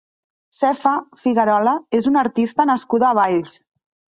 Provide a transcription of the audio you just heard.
Sefa Figuerola és una artista nascuda a Valls.